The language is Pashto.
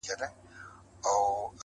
هسې نه خپلې بد دعا وي رانه لرې وړی